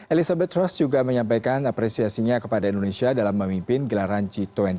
elizabeth trust juga menyampaikan apresiasinya kepada indonesia dalam memimpin gelaran g dua puluh